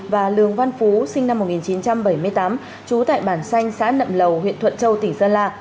và lường văn phú sinh năm một nghìn chín trăm bảy mươi tám trú tại bản xanh xã nậm lầu huyện thuận châu tỉnh sơn la